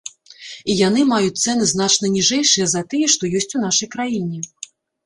І яны маюць цэны значна ніжэйшыя за тыя, што ёсць у нашай краіне.